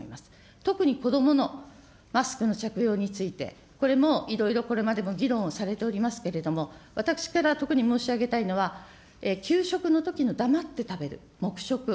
特に子どものマスクの着用について、これもいろいろ、これまでも議論されておりますけれども、私から特に申し上げたいのは、給食のときの黙って食べる、黙食。